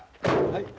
はい。